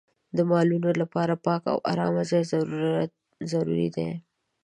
د مالونو لپاره پاک او ارامه ځای ضروري دی.